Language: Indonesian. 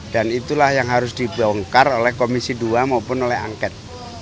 dan itulah yang harus dibongkar oleh komisi dua maupun oleh angket